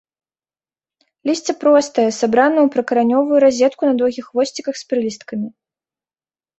Лісце простае, сабрана ў прыкаранёвую разетку на доўгіх хвосціках з прылісткамі.